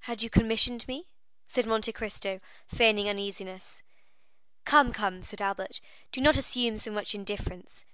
"Had you commissioned me?" said Monte Cristo, feigning uneasiness. "Come, come," said Albert, "do not assume so much indifference.